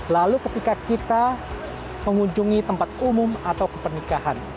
lalu ketika kita mengunjungi tempat umum atau kepernikahan